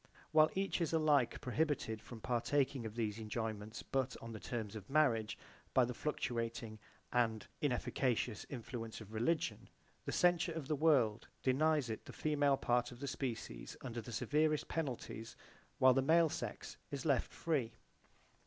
While each is alike prohibited from partaking of these enjoyments but on the terms of marriage by the fluctuating and inefficacious influence of religion, the censure of the world denies it [to] the female part of the species under the severest penalties while the male sex is left free.